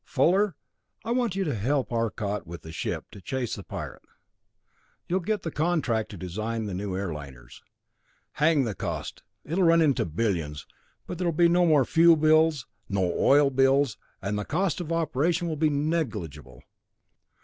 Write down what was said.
"Fuller, I want you to help Arcot with the ship to chase the Pirate. You'll get the contract to design the new airliners. Hang the cost. It'll run into billions but there will be no more fuel bills, no oil bills, and the cost of operation will be negligible.